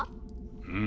うん。